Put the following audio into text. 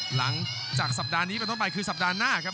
หลังจากสัปดาห์นี้เป็นต้นไปคือสัปดาห์หน้าครับ